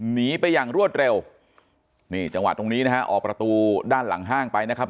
หนีไปอย่างรวดเร็วนี่จังหวะตรงนี้นะฮะออกประตูด้านหลังห้างไปนะครับ